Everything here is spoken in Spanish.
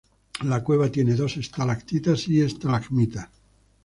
La cueva tiene dos estalactitas y estalagmitas.